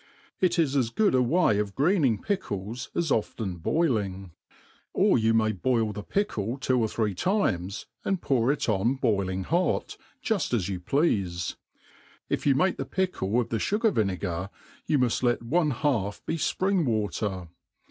It is as good z way of greetring pickie^as oftenr boiling; Or you may boil the pickle twocr •thrde times, and pour it on boiling hot, juft as you plcafe, Kyoa make the pickle of the fugar vinegar, you muft let c«ie i^f be fprih^> water.